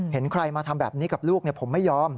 เห็นใครมาทำแบบนี้กับลูกผมไม่ยอม